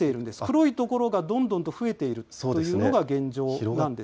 黒いところがどんどんと増えているというのが現状です。